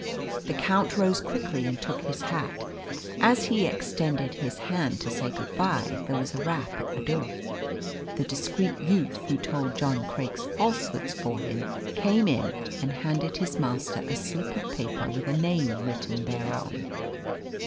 The Count rose quickly and took his hat. As he extended his hand to say "Good bye" there was a rap at the door. The discreet youth who told John Craik's falsehoods for him came in and handed his master a slip of paper with a name written thereon.